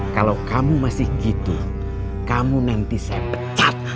kalau kamu masih gitu kamu nanti saya pecat